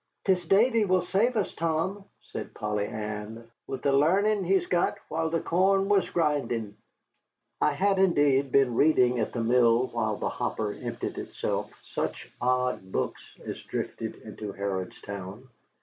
"'Tis Davy will save us, Tom," said Polly Ann, "with the l'arnin' he's got while the corn was grindin'." I had, indeed, been reading at the mill while the hopper emptied itself, such odd books as drifted into Harrodstown.